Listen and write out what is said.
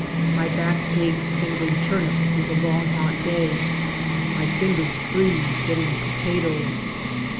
My back aches singling turnips through the long hot day; my fingers freeze getting potatoes.